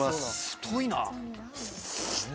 太いな。